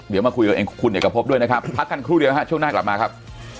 เดี๋ยวมาคุยกับคุณเอกพบด้วยนะครับพักกันครู่เดียวฮะช่วงหน้ากลับมาครับ